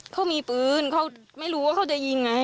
เขามีปืนเขาไม่รู้ว่าเขาจะยิงไง